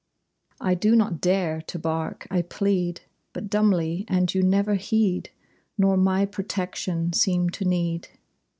I do not dare to bark; I plead But dumbly, and you never heed; Nor my protection seem to need.